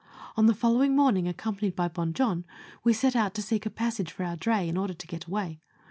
On the following morning, accompanied by Bon Jon, we set out to seek a passage for our dray, in order to get away.